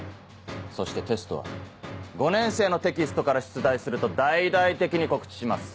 そしてテストは５年生のテキストから出題すると大々的に告知します。